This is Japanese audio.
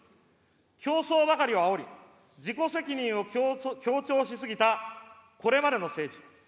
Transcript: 競争ばかりをあおり、自己責任を強調しすぎたこれまでの政治。